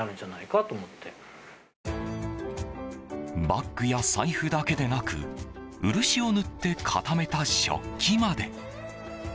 バッグや財布だけでなく漆を塗って固めた食器まで。